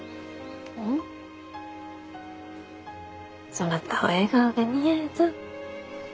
そなたは笑顔が似合うぞ。